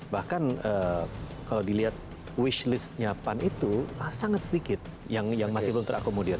bahkan kalau dilihat wish listnya pan itu sangat sedikit yang masih belum terakomodir